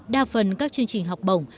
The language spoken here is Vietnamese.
đa phần các chương trình học bổng